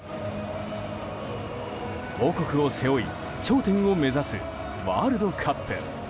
母国を背負い、頂点を目指すワールドカップ。